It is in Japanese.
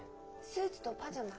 スーツとパジャマ？